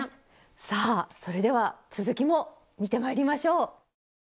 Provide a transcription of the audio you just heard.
さあそれでは続きも見てまいりましょう！